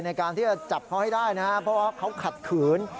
ในการที่จะจับเขาให้ได้นะครับเพราะว่าเขาขัดขืน